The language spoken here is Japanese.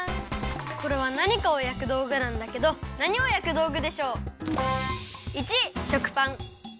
これはなにかをやくどうぐなんだけどなにをやくどうぐでしょう？